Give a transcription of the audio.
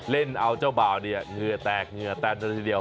เล่นเอาเจ้าเบาเงื่อแตกเงื่อแตนทีเดียว